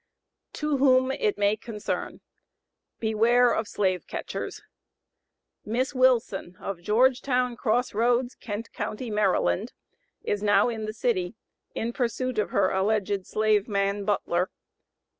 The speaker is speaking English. TO WHOM IT MAY CONCEEN: BEWARE OF SLAVE CATCHERS. Miss WILSON, of Georgetown Cross Roads, Kent county, Md., is now in the city in pursuit of her alleged slave man, BUTLER.